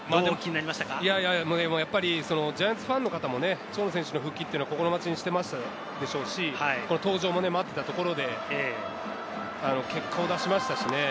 やっぱりジャイアンツファンの方も長野選手の復帰は心待ちにしていたでしょうし、登場も待っていたところで、結果を出しました。